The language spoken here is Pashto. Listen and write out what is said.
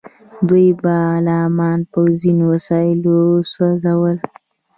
دوی به غلامان په ځینو وسایلو سوځول.